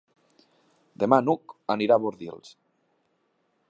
Demà n'Hug anirà a Bordils.